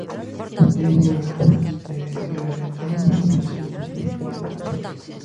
Teño ganas de rebelarme nese sentido.